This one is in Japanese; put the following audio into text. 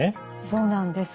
そうなんです。